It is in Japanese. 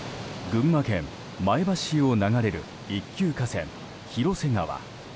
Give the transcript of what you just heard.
群馬県前橋市を流れる一級河川、広瀬川。